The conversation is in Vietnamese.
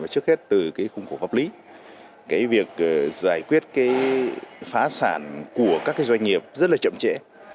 trước hết từ cái khung khổ pháp lý cái việc giải quyết cái phá sản của các doanh nghiệp rất là chậm trễ